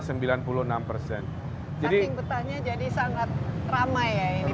ranking betahnya jadi sangat ramai ya ini